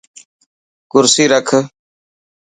ڪرسي رک.